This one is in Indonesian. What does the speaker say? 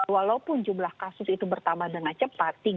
walaupun jumlah kasus itu bertambah dengan cepat